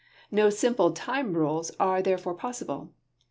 No simple time rules are therefore possible.